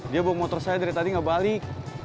dia bawa motor saya dari tadi gak balik